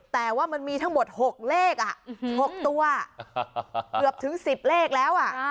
แต่ว่ามันมีทั้งหมด๖เลข๖ตัวเกือบถึง๑๐เลขแล้ว